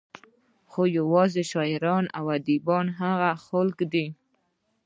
خو يوازې شاعران او اديبان هغه خلق دي